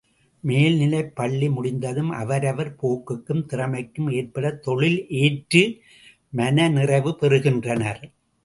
மேல்நிலைப் பள்ளி முடித்ததும் அவரவர் போக்குக்கும் திறமைக்கும் ஏற்படத் தொழில் ஏற்று மன நிறைவு பெறுகின்றனர்.